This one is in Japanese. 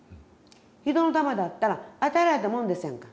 人のためだったら与えられたもんですやんか。